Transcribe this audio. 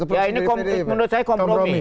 ya ini menurut saya kompromi